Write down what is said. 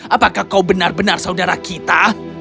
apakah kau benar benar saudara kita